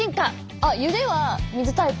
あっゆではみずタイプ？